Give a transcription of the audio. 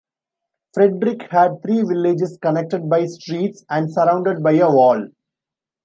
Frederick had three villages connected by streets and surrounded by a wall.